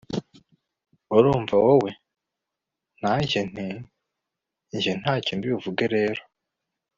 urumva weowe!? nanjye nti.. njye ntacyo ndibuvuge rero